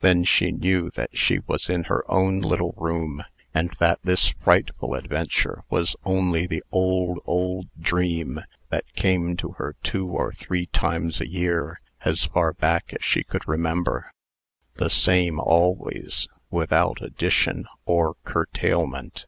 Then she knew that she was in her own little room, and that this frightful adventure was only the old, old dream, that came to her two or three times a year, as far back as she could remember the same always, without addition or curtailment.